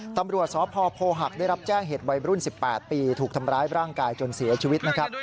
ตำรวจสพโพหักได้รับแจ้งเหตุวัยรุ่น๑๘ปีถูกทำร้ายร่างกายจนเสียชีวิตนะครับ